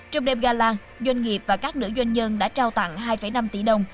trong đêm gala doanh nghiệp và các nữ doanh nhân đã trao tặng hai năm tỷ đồng